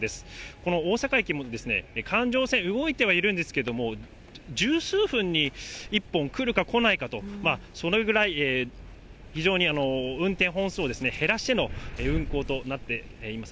この大阪駅も、環状線、動いてはいるんですけれども、十数分に一本来るか来ないかと、それぐらい非常に運転本数を減らしての運行となっています。